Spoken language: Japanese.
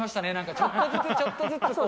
ちょっとずつ、ちょっとずつ、こう。